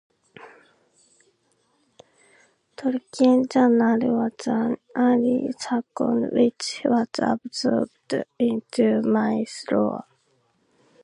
"Tolkien Journal" was an early "sercon" which was absorbed into "Mythlore".